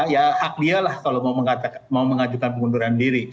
ya hak dialah kalau mau mengajukan pengunduran diri